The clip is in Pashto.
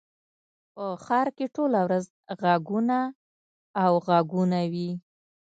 په ښار کښي ټوله ورځ ږغونه او ږغونه يي.